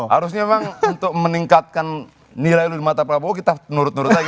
harusnya memang untuk meningkatkan nilai di mata prabowo kita nurut nurut lagi